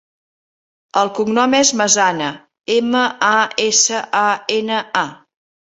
El cognom és Masana: ema, a, essa, a, ena, a.